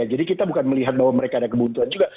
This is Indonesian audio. jadi kita bukan melihat bahwa mereka ada kebuntuan juga